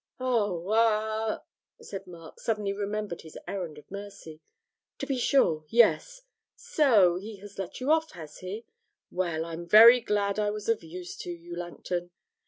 'Oh, ah,' said Mark, suddenly remembering his errand of mercy, 'to be sure, yes. So, he has let you off, has he? Well, I'm very glad I was of use to you, Langton.